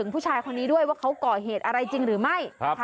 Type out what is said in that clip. ผู้ชายคนนี้ด้วยว่าเขาก่อเหตุอะไรจริงหรือไม่